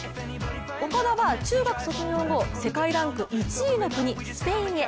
岡田は中学卒業後、世界ランク１位の国・スペインへ。